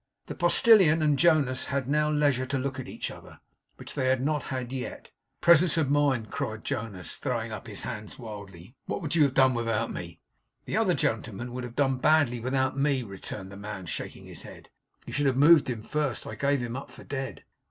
The postillion and Jonas had now leisure to look at each other, which they had not had yet. 'Presence of mind, presence of mind!' cried Jonas, throwing up his hands wildly. 'What would you have done without me?' 'The other gentleman would have done badly without ME,' returned the man, shaking his head. 'You should have moved him first. I gave him up for dead.